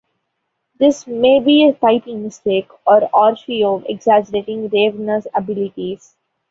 This may be a typing mistake or Orfeo exaggerating Ravenor's abilities.